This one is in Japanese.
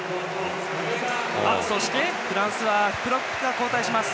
そして、フランスはプロップが交代です。